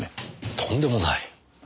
とんでもない。